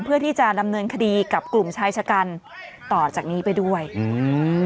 เพื่อที่จะดำเนินคดีกับกลุ่มชายชะกันต่อจากนี้ไปด้วยอืม